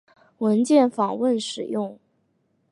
文件访问使用。